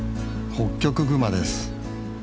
ホッキョクグマです。